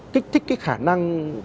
kích thích cái khả năng